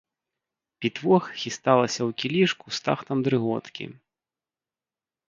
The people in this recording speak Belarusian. Пітво хісталася ў кілішку з тахтам дрыготкі.